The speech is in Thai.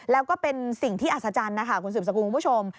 แล้วก็เป็นสิ่งที่อัศจรรย์นะคะคุณสูตรสมบุทธ์คุณคุณผู้ชม